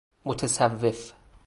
متصوف